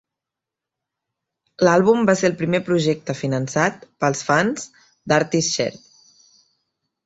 L'àlbum va ser el primer projecte finançat pels fans de ArtistShare.